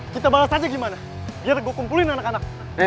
kita balas aja gimana